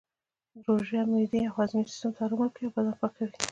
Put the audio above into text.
روژه معدې او هاضمې سیستم ته ارام ورکوي او بدن پاکوي